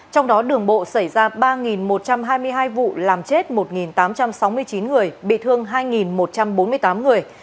trong đó đường bộ xảy ra ba một trăm hai mươi hai vụ làm chết một tám trăm sáu mươi chín người bị thương hai một trăm bốn mươi tám người